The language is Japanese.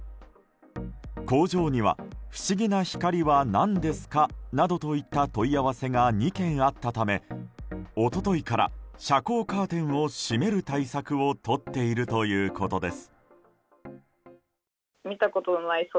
工場には、不思議な光は何ですかなどといった問い合わせが２件あったため一昨日から遮光カーテンを閉める対策をとっているということです。